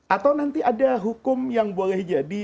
atau nanti ada hukum yang boleh jadi